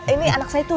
ini anak saya tuti